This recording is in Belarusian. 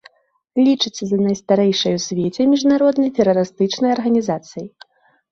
Лічыцца за найстарэйшай у свеце міжнароднай тэрарыстычнай арганізацыяй.